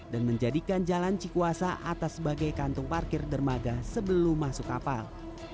dan menjadikan jalan cikuasa atas sebagai kantung parkir dermaga sebelum masuk kapal